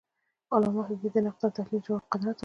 علامه حبیبي د نقد او تحلیل ژور قدرت درلود.